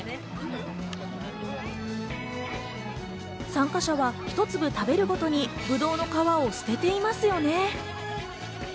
参加者は１粒食べるごとにぶどうの皮を捨てていますよね。